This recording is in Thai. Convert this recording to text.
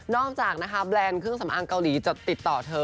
จากนะคะแบรนด์เครื่องสำอางเกาหลีจะติดต่อเธอ